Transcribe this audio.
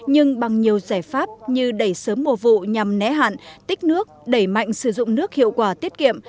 nhưng bằng nhiều giải pháp như đẩy sớm mùa vụ nhằm né hạn tích nước đẩy mạnh sử dụng nước hiệu quả tiết kiệm